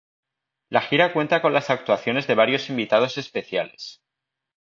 La gira cuenta con las actuaciones de varios invitados especiales.